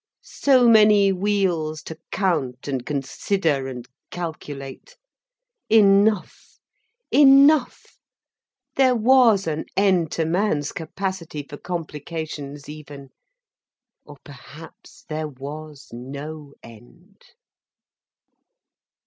So many wheels to count and consider and calculate! Enough, enough—there was an end to man's capacity for complications, even. Or perhaps there was no end.